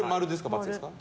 ×ですか？